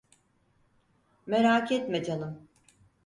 Merak etme canım.